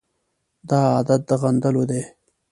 دا عادت د غندلو دی.